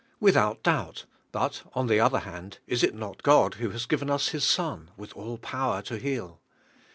Without doubt; but on the other hand, is it not God who has given as His Ron with all power to heal?